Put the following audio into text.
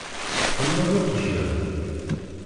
Tḥemmleḍ iqjan?